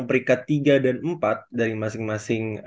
peringkat tiga dan empat dari masing masing